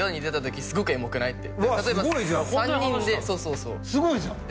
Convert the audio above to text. うわすごいじゃん！